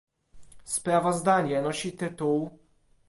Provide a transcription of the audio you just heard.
Sprawozdanie nosi tytuł